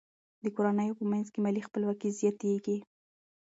د کورنیو په منځ کې مالي خپلواکي زیاتیږي.